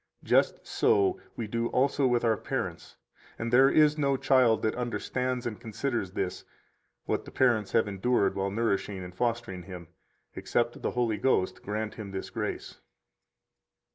Just so we do also with our parents, and there is no child that understands and considers this [what the parents have endured while nourishing and fostering him], except the Holy Ghost grant him this grace.